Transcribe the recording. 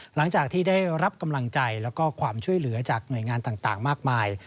หลังจากที่ได้รับกำลังใจแล้วก็ความช่วยเหลือจากหน่วยงานต่างมากมาย